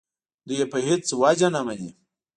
دوی یې په هېڅ وجه نه مني.